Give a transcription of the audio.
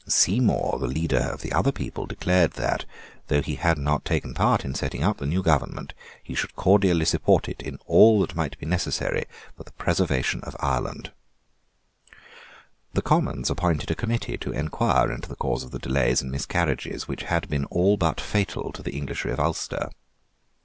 Seymour, the leader of the other party, declared that, though he had not taken part in setting up the new government, he should cordially support it in all that might be necessary for the preservation of Ireland, The Commons appointed a committee to enquire into the cause of the delays and miscarriages which had been all but fatal to the Englishry of Ulster.